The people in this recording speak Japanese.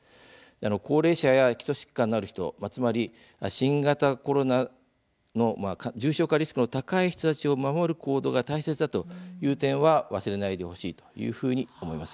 高齢者や基礎疾患のある人つまり新型コロナの重症化リスクの高い人たちを守る行動が大切だという点は忘れないでほしいというふうに思います。